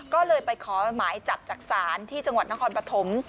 ก็เลยไปขอหมายจับจากศาลที่จังหวัดนครปฐม